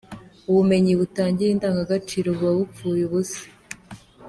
Ubumenyi butagira indangagaciro buba bupfuye ubusa.